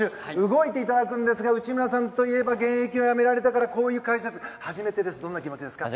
動いていただくんですが内村さんといえば現役をやめられてからこういう解説、初めてですどんな気持ちですか？